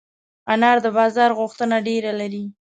انار د بازار غوښتنه ډېره لري.